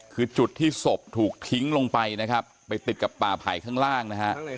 คือจุดที่ศพถูกทิ้งลงไปนะครับไปติดกับป่าไผ่ข้างล่างนะฮะ